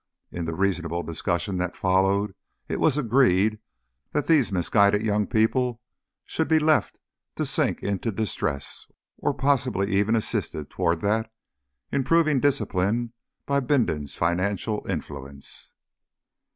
In the reasonable discussion that followed, it was agreed that these misguided young people should be left to sink into distress, or possibly even assisted towards that improving discipline by Bindon's financial influence.